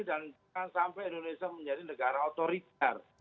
dan sampai indonesia menjadi negara otoritar